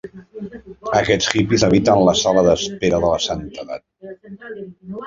Aquests hippies habiten la sala d'espera de la santedat.